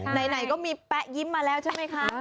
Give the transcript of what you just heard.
ไหนก็มีแป๊ะยิ้มมาแล้วใช่ไหมคะ